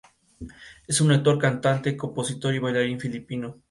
Es un actor, cantante, compositor y bailarín filipino.